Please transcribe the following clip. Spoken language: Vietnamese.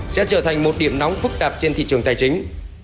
sẽ trở thành một điểm nóng phức tạp trên thị trường tài chính